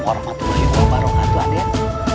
warahmatullahi wabarakatuh adem